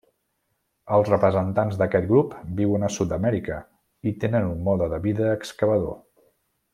Els representants d'aquest grup viuen a Sud-amèrica i tenen un mode de vida excavador.